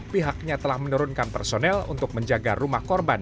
pihaknya telah menurunkan personel untuk menjaga rumah korban